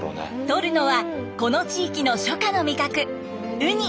取るのはこの地域の初夏の味覚ウニ。